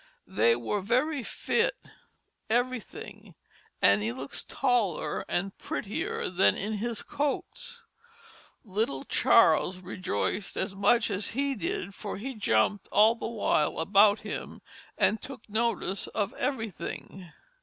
They were very fitt, everything, and he looks taller and prettyer than in his coats. Little Charles rejoyced as much as he did for he jumpt all the while about him and took notice of everything.